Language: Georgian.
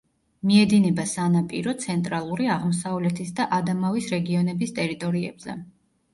მიედინება სანაპირო, ცენტრალური, აღმოსავლეთის და ადამავის რეგიონების ტერიტორიებზე.